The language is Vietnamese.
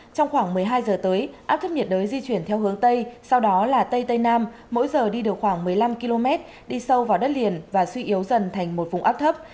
trong khoảng một mươi hai giờ tới áp thấp nhiệt đới di chuyển theo hướng tây sau đó là tây tây nam mỗi giờ đi được khoảng một mươi năm km đi sâu vào đất liền và suy yếu dần thành một vùng áp thấp